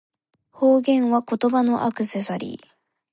方言は、言葉のアクセサリー